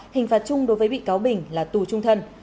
hình phạt chung đối với bị cáo bình là tù trung thân